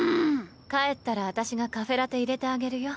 帰ったら私がカフェラテいれてあげるよ。